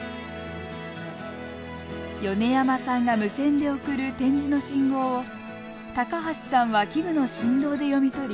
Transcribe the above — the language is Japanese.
米山さんが無線で送る点字の信号を高橋さんは器具の振動で読み取り